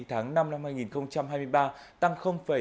tháng năm năm hai nghìn hai mươi ba tăng một so với tháng trước